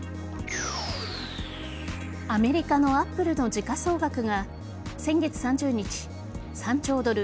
アメリカのＡｐｐｌｅの時価総額が先月３０日３兆ドル